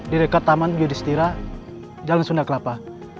derekat taman yudhistira jalan sunda kelapa